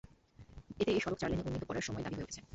এতে এই সড়ক চার লেনে উন্নীত করা সময়ের দাবি হয়ে উঠেছে।